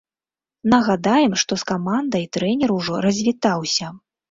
Нагадаем, што з камандай трэнер ужо развітаўся.